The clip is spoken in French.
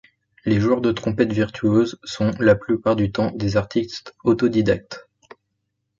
Les joueurs de trompette virtuoses sont, la plupart du temps, des artistes autodidactes.